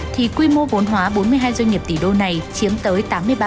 thì quy mô vốn hóa bốn mươi hai doanh nghiệp tỷ đô này chiếm tới tám mươi ba